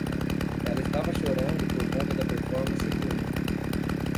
Ela estava chorando por conta da performance ruim.